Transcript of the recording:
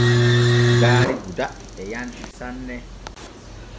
Gaari Gouda e yanɗi sanne.